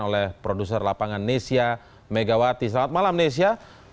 oleh produser lapangan nesia megawati selamat malam nesia